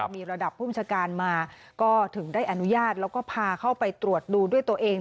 มีระดับผู้บัญชาการมาก็ถึงได้อนุญาตแล้วก็พาเข้าไปตรวจดูด้วยตัวเอง